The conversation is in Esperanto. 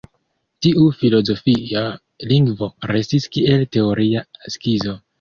Tiu filozofia lingvo restis kiel teoria skizo.